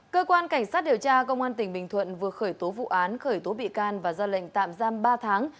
cơ quan cảnh sát điều tra công an tỉnh bình thuận vừa khởi tố vụ án khởi tố bị can và ra lệnh tạm giam ba tháng